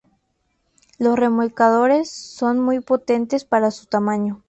Los remolcadores son muy potentes para su tamaño.